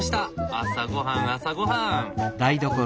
朝ごはん朝ごはん！